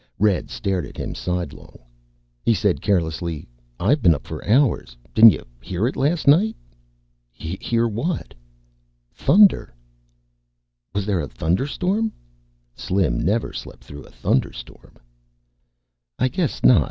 Red stared at him sidelong. He said carelessly, "I've been up for hours. Didn't you hear it last night?" "Hear what?" "Thunder." "Was there a thunderstorm?" Slim never slept through a thunderstorm. "I guess not.